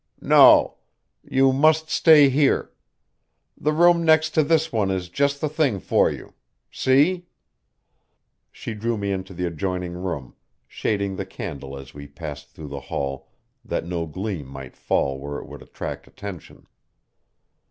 "No. You must stay here. The room next to this one is just the thing for you. See?" She drew me into the adjoining room, shading the candle as we passed through the hall that no gleam might fall where it would attract attention.